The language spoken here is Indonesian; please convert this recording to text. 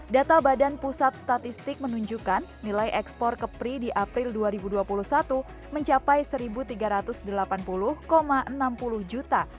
data badan pusat statistik menunjukkan nilai ekspor kepri di april dua ribu dua puluh satu mencapai rp satu tiga ratus delapan puluh enam puluh juta